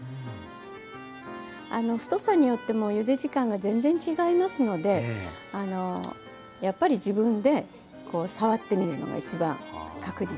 あの太さによってもゆで時間が全然違いますのであのやっぱり自分で触ってみるのがいちばん確実ですよねはい。